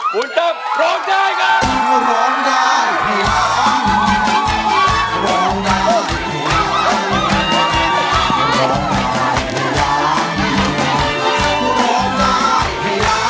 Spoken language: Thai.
คุณตั้มร้องได้ครับ